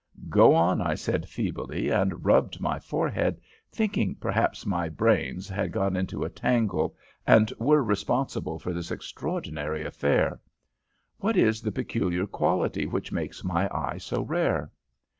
"'Go on,' I said, feebly, and rubbed my forehead, thinking perhaps my brains had got into a tangle, and were responsible for this extraordinary affair. 'What is the peculiar quality which makes my eye so rare?'